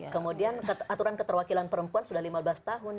kemudian aturan keterwakilan perempuan sudah lima belas tahun